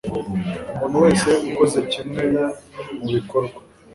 umuntu wese ukoze kimwe mu bikorwa